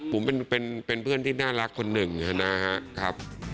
ผมเป็นเพื่อนที่น่ารักคนหนึ่งนะครับ